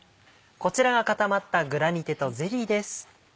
こちらが固まったグラニテとゼリーです。